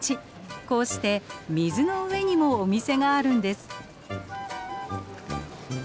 こうして水の上にもお店があるんです。